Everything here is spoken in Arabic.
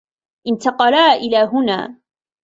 انتقلا إلى هنا.